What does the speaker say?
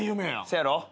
せやろ？